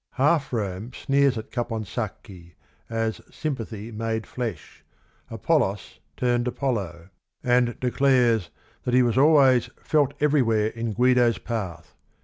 "'" Half Rome sneers at Caponsacchi "as s ym pathy made j lesh," "Apollos turned Apollo," and 34 THE RING AND THE BOOK declares that he was always "felt everywhere in Guido's path."